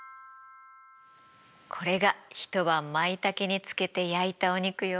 これが一晩マイタケに漬けて焼いたお肉よ。